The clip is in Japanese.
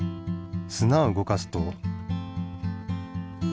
すなを動かすと。